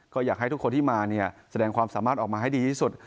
ก็อยากให้ทุกคนที่มาแสดงความสามารถออกมาให้ดีที่สุด